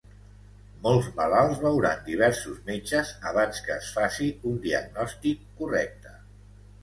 Molts malalts veuran diversos metges abans que es faci un diagnòstic correcte.